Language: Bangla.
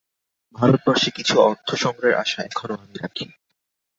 ভারতবর্ষে কিছু অর্থ-সংগ্রহের আশা এখনও আমি রাখি।